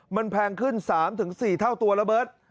มันแพงขึ้น๓๔เท่าตัวระเบิด